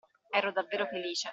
Ero davvero felice.